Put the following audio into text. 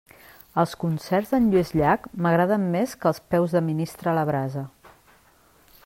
Els concerts d'en Lluís Llach m'agraden més que els peus de ministre a la brasa.